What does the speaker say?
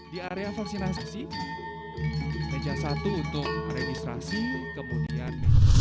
vaksinasi meja satu untuk registrasi kemudian